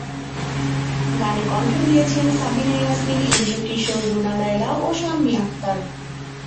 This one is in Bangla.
গানে কণ্ঠ দিয়েছেন সাবিনা ইয়াসমিন, এন্ড্রু কিশোর, রুনা লায়লা, ও শাম্মী আখতার।